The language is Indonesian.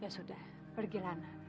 ya sudah pergi lana